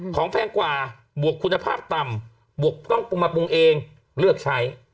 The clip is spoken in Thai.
แพงกว่าบวกคุณภาพต่ำบวกต้องปรุงมาปรุงเองเลือกใช้